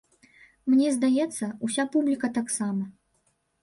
Мне, здаецца, уся публіка таксама.